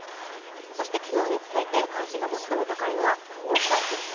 そして昨日に続いて、関心が最も高いのは黄砂ですね。